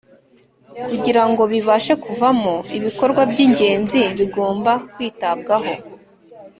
kugirango bibashe kuvamo ibikorwa by'ingenzi bigomba kwitabwaho.